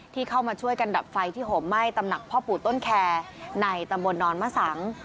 ที่เข้ามาช่วยกันดับไฟที่ห่มไหม้ตำหนักพ่อปู่ต้นแคร์ในตำบลนอนมะสัง